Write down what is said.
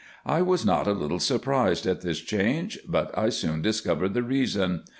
I was not a little surprised at this change, but I soon discovered the reason.